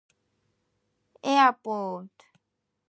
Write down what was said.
The whitewater ends near the Juneau International Airport.